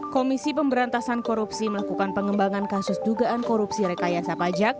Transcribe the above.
komisi pemberantasan korupsi melakukan pengembangan kasus dugaan korupsi rekayasa pajak